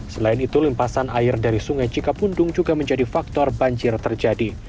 selain itu limpasan air dari sungai cikapundung juga menjadi faktor banjir terjadi